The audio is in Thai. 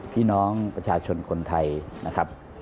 พี่น้องประชาชนคนไทยนะครับ